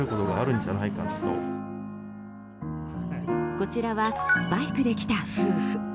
こちらは、バイクで来た夫婦。